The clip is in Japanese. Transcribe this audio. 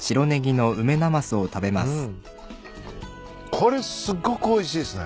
これすっごくおいしいっすね。